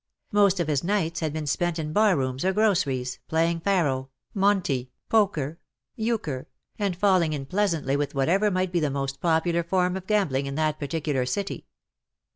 Most of his nights had been spent in bar rooms or groceries, playing faro, monte, VOL. II. F 66 poker, euchre^ and falling in pleasantly with whatever might be the most popular form of gambling in that particular city.